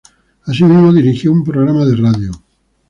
Asimismo dirigió un programa de radio.